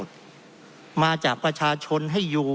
เพราะเรามี๕ชั่วโมงครับท่านนึง